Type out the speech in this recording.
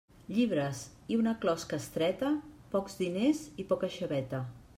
Llibres i una closca estreta, pocs diners i poca xaveta.